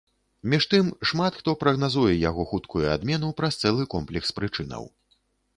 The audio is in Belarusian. Між тым, шмат хто прагназуе яго хуткую адмену праз цэлы комплекс прычынаў.